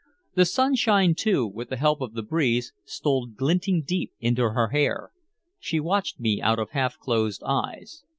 The sunshine, too, with the help of the breeze, stole glinting deep into her hair. She watched me out of half closed eyes.